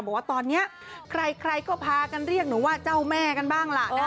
บอกว่าตอนนี้ใครก็พากันเรียกหนูว่าเจ้าแม่กันบ้างล่ะนะคะ